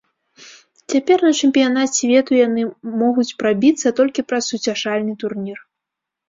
Цяпер на чэмпіянат свету яны могуць прабіцца толькі праз суцяшальны турнір.